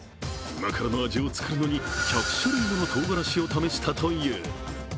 旨辛の味を作るのに１００種類ものとうがらしを試したという。